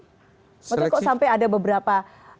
maksudnya kok sampai ada beberapa